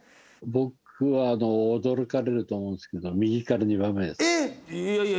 僕は驚かれると思うんですけど右から２番目ですえっ！？